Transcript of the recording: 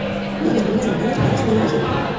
una de las primeras demandadas fuera una colegiala